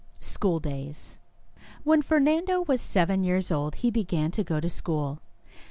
SCHOOL DAYS When Fernando was seven years old he began to go to school.